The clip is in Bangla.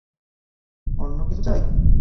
অন্য কিছু চাই?